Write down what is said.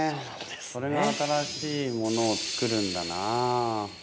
それが新しいものを作るんだな。